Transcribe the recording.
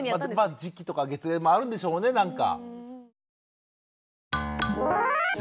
時期とか月齢もあるんでしょうねなんか。